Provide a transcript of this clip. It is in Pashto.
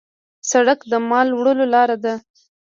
سړک د مال وړلو لار ده.